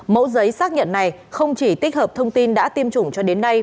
mẫu giấy xác nhận này không chỉ tích hợp thông tin đã tiêm chủng cho đến nay